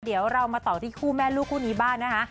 เดี๋ยวเรามาต่อที่คู่แม่ลูกคู่นี้บ้างนะคะ